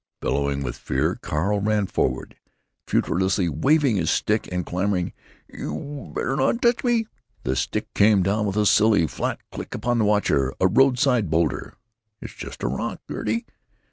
Bellowing with fear, Carl ran forward, furiously waving his stick and clamoring: "You better not touch me!" The stick came down with a silly, flat clack upon the watcher—a roadside boulder. "It's just a rock, Gertie!